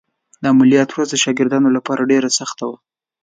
د عملیات ورځ د شاګردانو لپاره ډېره سخته وه.